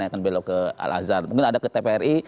yang akan belok ke al azhar mungkin ada ke tpri